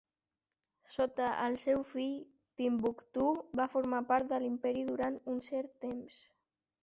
Sota el seu fill, Timbuktú va formar part de l'imperi durant un cert temps.